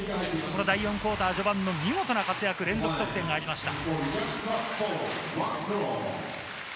第４クオーター序盤の見事な活躍、連続得点がありました。